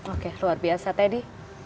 oke luar biasa teddy